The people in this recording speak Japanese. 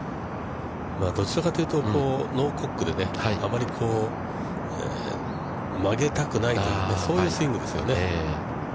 どちらかというとノーコックでね、あまり曲げたくないというね、そういうスイングですよね。